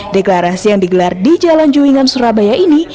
deklarasi yang digelar di jalan juwingan surabaya ini